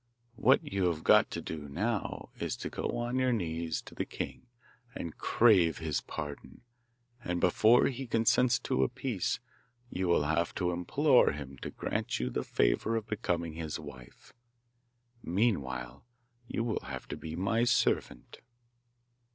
What you have got to do now is to go on your knees to the king and crave his pardon, and before he consents to a peace you will have to implore him to grant you the favour of becoming his wife. Meanwhile you will have to be my servant.